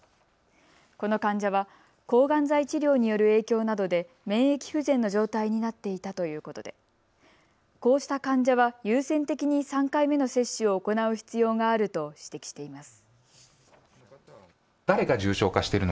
この患者は抗がん剤治療による影響などで免疫不全の状態になっていたということでこうした患者は優先的に３回目の接種を行う必要があると指摘しています。